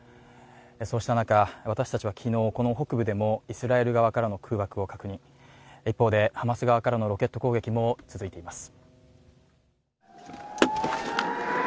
そうした中、私たちは昨日、この北部でもイスラエル側からの空爆を確認、一方で、ハマス側のロケット攻撃も続いています。